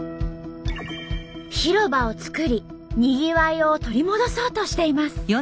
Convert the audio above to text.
広場をつくりにぎわいを取り戻そうとしています。